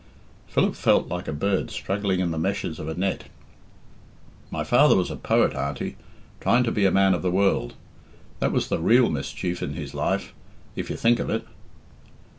Philip felt like a bird struggling in the meshes of a net. "My father was a poet, Auntie, trying to be a man of the world. That was the real mischief in his life, if you think of it."